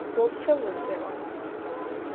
Vopseu vose'o!